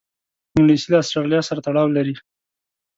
انګلیسي له آسټرالیا سره تړاو لري